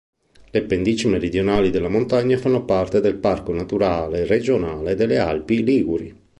Le pendici meridionali della montagna fanno parte del Parco naturale regionale delle Alpi Liguri.